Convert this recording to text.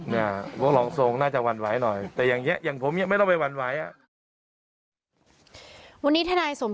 พวกรองทรงน่าจะหวั่นไหวหน่อย